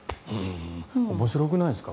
面白くないですか？